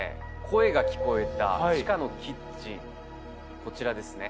声が聞こえた地下のキッチンこちらですね